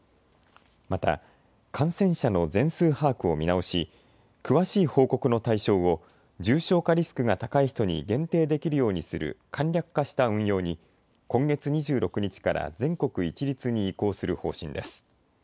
また感染者の全数把握を見直し詳しい報告の対象を重症化リスクが高い人に限定できるようにする簡略化した運用に今月２６日から全国一律に移行する方針です。